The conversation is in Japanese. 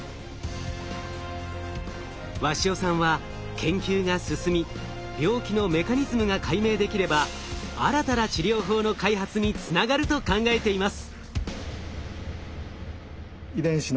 鷲尾さんは研究が進み病気のメカニズムが解明できれば新たな治療法の開発につながると考えています。